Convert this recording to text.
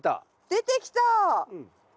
出てきた。